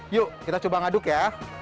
yuk kita coba ngaduk ya